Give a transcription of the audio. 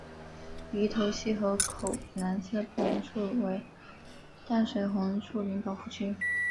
鼻头溪河口南侧不远处为淡水红树林保护区。